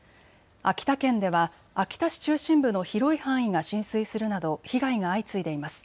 秋田県では秋田市中心部の広い範囲が浸水するなど被害が相次いでいます。